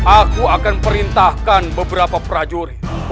aku akan perintahkan beberapa prajurit